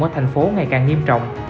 ở thành phố ngày càng nghiêm trọng